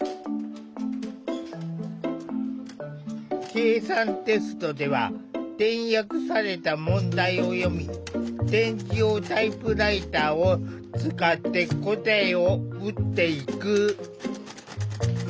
計算テストでは点訳された問題を読み点字用タイプライターを使って答えを打っていく。